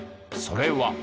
それは。